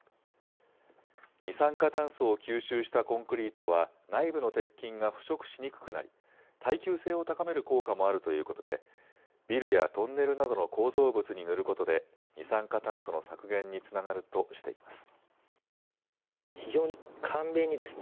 二酸化炭素を吸収したコンクリートは内部の鉄筋が腐食しにくくなり耐久性を高める効果もあるということでビルやトンネルなどの構造物に塗ることで二酸化炭素の削減につながるとしています。